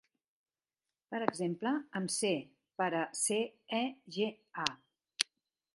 Per exemple, amb C per a C-E-G-A.